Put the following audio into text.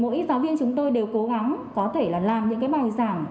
mỗi giáo viên chúng tôi đều cố gắng có thể là làm những cái bài giảng